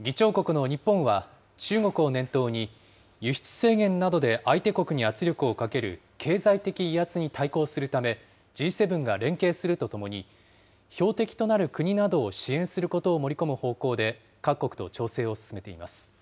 議長国の日本は、中国を念頭に、輸出制限などで相手国に圧力をかける経済的威圧に対抗するため、Ｇ７が連携するとともに、標的となる国などを支援することを盛り込む方向で、各国と調整を進めています。